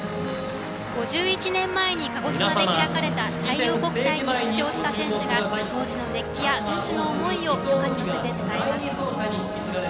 ５１年前に鹿児島で開かれた太陽国体に出場した選手が当時の熱気や選手の思いを炬火に乗せて伝えます。